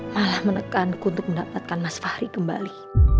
malah menekanku untuk mendapatkan mas fahri kembali